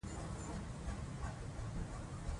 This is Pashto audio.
که لنډۍ پر زړونو ولګي، نو زړونه به راژوندي سي.